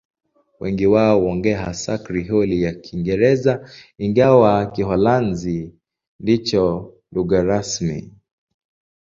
Wengi wao huongea hasa Krioli ya Kiingereza, ingawa Kiholanzi ndicho lugha rasmi.